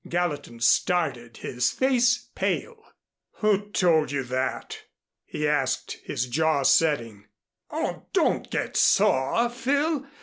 Gallatin started his face pale. "Who told you that?" he asked, his jaw setting. "Oh, don't get sore, Phil.